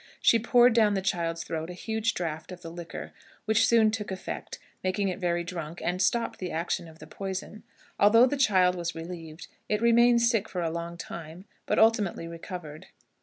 She poured down the child's throat a huge draught of the liquor, which soon took effect, making it very drunk, and stopped the action of the poison. Although the child was relieved, it remained sick for a long time, but ultimately recovered.